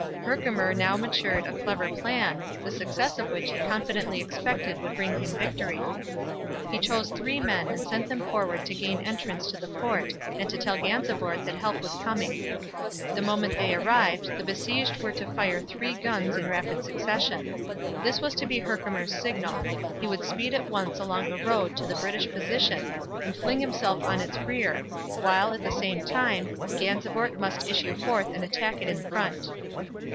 Herkimer now matured a clever plan, the success of which he confidently expected would bring him victory. He chose three men and sent them forward to gain entrance to the fort and to tell Gansevoort that help was coming. The moment they arrived the besieged were to fire three guns in rapid succession. This was to be Herkimer's signal; he would speed at once along the road to the British position and fling himself on its rear, while, at the same time, Gansevoort must issue forth and attack it in front.